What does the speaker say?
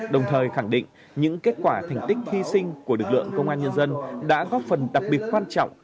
đồng thời khẳng định những kết quả thành tích hy sinh của lực lượng công an nhân dân đã góp phần đặc biệt quan trọng